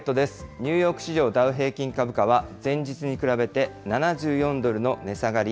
ニューヨーク市場、ダウ平均株価は前日に比べて７４ドルの値下がり。